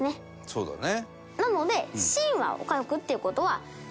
そうだね。